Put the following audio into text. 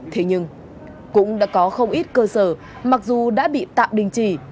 thế nhưng cũng đã có không ít cơ sở mặc dù đã bị tạm đình chỉ